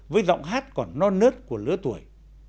với giọng hát còn non nớt của lứa tuổi